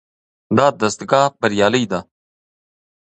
دا دستګاه بریالۍ ده.